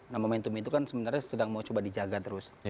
nah momentum itu kan sebenarnya sedang mau coba dijaga terus